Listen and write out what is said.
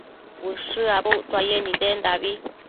ushË abuctuaye nidendabi